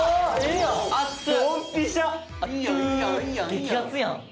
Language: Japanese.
激アツやん。